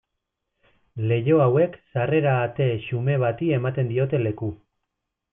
Leiho hauek sarrera-ate xume bati ematen diote leku.